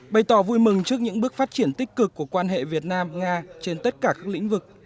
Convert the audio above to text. bày tỏ vui mừng trước những bước phát triển tích cực của quan hệ việt nam nga trên tất cả các lĩnh vực